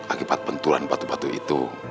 akibat benturan batu batu itu